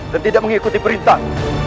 dan tidak mengikuti perintah